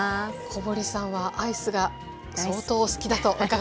小堀さんはアイスが相当お好きだと伺ったんですが。